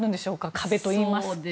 壁といいますか。